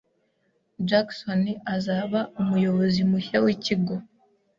Jackson azaba umuyobozi mushya wikigo.